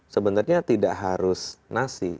sebenarnya tidak harus nasi